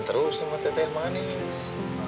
terus sama teh teh manis